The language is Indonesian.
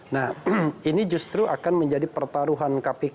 nah ini justru akan menjadi pertaruhan kpk